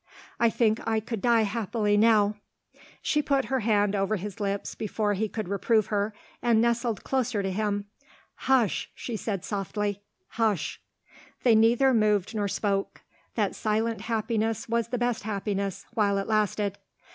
I think I could die happily now." She put her hand over his lips before he could reprove her, and nestled closer to him. "Hush!" she said softly; "hush!" They neither moved nor spoke: that silent happiness was the best happiness, while it lasted.